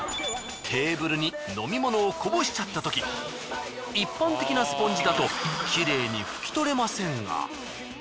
テーブルに飲み物をこぼしちゃったとき一般的なスポンジだときれいにふきとれませんが。